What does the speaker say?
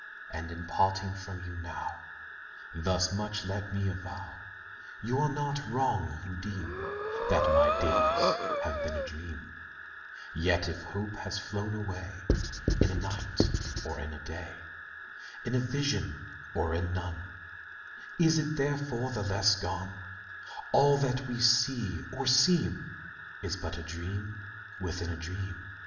And, in parting from you now, Thus much let me avow— You are not wrong, who deem That my days have been a dream; Yet if hope has flown away In a night, or in a day, In a vision, or in none, Is it therefore the less gone? All that we see or seem Is but a dream within a dream.